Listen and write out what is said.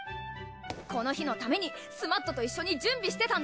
この日のためにスマットと一緒に準備してたんだ。